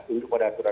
itu pada aturan